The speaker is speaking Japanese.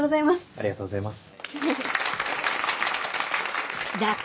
ありがとうございます。